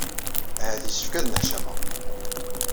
Ahat yessefk ad nneḥcameɣ.